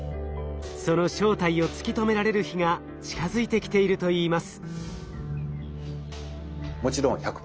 その正体を突き止められる日が近づいてきているといいます。